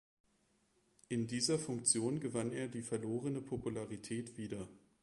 In dieser Funktion gewann er die verlorene Popularität wieder.